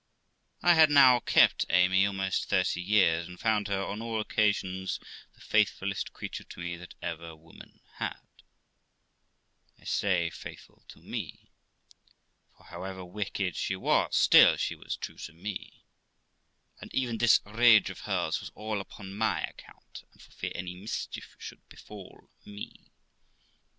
I had now kept Amy almost thirty years, and found her on all occasions the faithfullest creature to me that ever woman had I say, faithful to me; for, however wicked she was, still she was true to me; and even this rage of hers was all upon my account, and for fear any mischief should befall me.